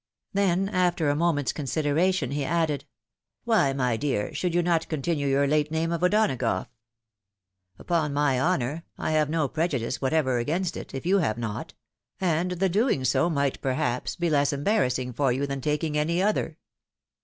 Then, after a moment's consideration, he added, " Why, my dear, should you not continue your late name of O'Donagough ? Upon my honour, I have no prejudice what ever against it, if you have not ; and the doing so might, perhaps, be less embarrassing for you than taking any other."